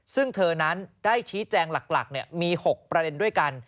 ซึ่งเธอนั้นได้ชี้แจงหลักมี๖ประเด็นด้วยกัน